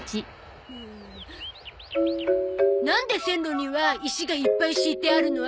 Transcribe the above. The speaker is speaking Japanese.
なんで線路には石がいっぱい敷いてあるの？